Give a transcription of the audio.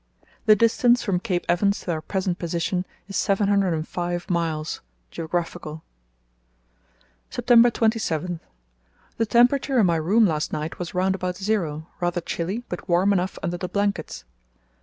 The distance from Cape Evans to our present position is seven hundred and five miles (geographical). "September 27.—The temperature in my room last night was round about zero, rather chilly, but warm enough under the blankets.